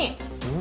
ん？